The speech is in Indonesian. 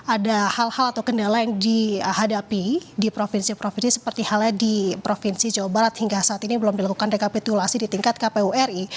ada hal hal atau kendala yang dihadapi di provinsi provinsi seperti halnya di provinsi jawa barat hingga saat ini belum dilakukan rekapitulasi di tingkat kpu ri